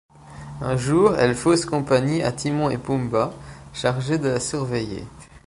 Un jour, elle fausse compagnie à Timon et Pumbaa, chargés de la surveiller.